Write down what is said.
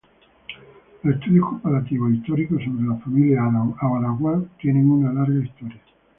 Los estudios comparativos e históricos sobre las familia arawak tienen una larga historia.